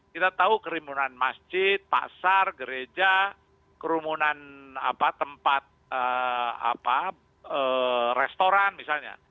kita tahu kerumunan masjid pasar gereja kerumunan tempat restoran misalnya